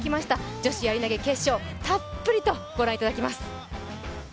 女子やり投決勝、たっぷりとご覧いただきます。